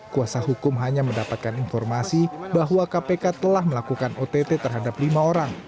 kuasa hukum hanya mendapatkan informasi bahwa kpk telah melakukan ott terhadap lima orang